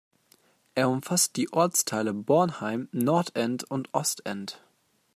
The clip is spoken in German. Er umfasst die Ortsteile Bornheim, Nordend und Ostend.